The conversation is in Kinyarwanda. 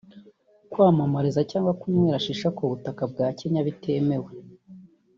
kwamamariza cyangwa kunywera Shisha ku butaka bwa Kenya bitemewe